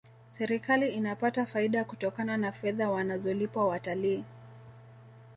serikali inapata faida kutokana na fedha wanazolipwa watalii